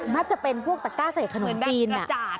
จะเป็นพวกตะก้าใส่ขนมจีน